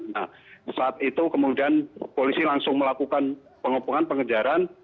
nah saat itu kemudian polisi langsung melakukan pengepungan pengejaran